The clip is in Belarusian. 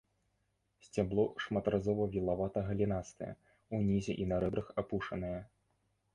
Сцябло шматразова вілавата-галінастае, унізе і на рэбрах апушанае.